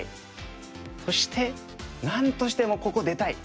そしてなんとしてもここ出たい。